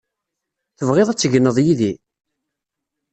Tebɣiḍ ad tegneḍ yid-i?